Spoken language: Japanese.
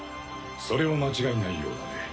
それは間違いないようだね。